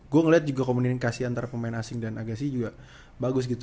gue ngeliat juga komunikasi antara pemain asing dan agasi juga bagus gitu